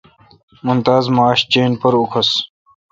ممتاز ماݭہ چین پر اوکھس۔